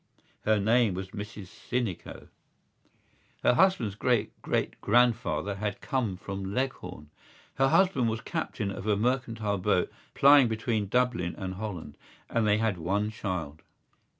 Her name was Mrs Sinico. Her husband's great great grandfather had come from Leghorn. Her husband was captain of a mercantile boat plying between Dublin and Holland; and they had one child.